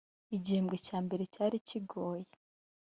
igihembwe cya mbere cyari kigoye